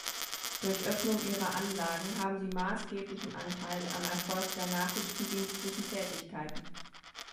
Durch Öffnung ihrer Anlagen haben sie maßgeblichen Anteil am Erfolg der nachrichtendienstlichen Tätigkeiten.